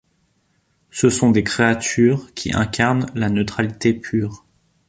Ce sont des créatures qui incarnent la neutralité pure.